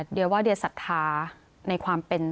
เดี๋ยวว่าเดียศรัทธาในความเป็น